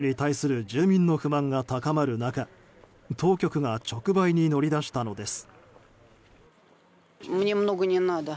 供給不足に対する住民の不満が高まる中当局が直売に乗り出したのです。